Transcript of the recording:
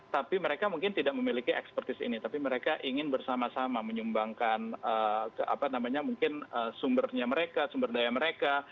tapi mereka mungkin tidak memiliki ekspertis ini tapi mereka ingin bersama sama menyumbangkan mungkin sumbernya mereka sumber daya mereka